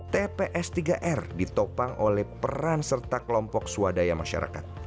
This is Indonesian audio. tps tiga r ditopang oleh peran serta kelompok swadaya masyarakat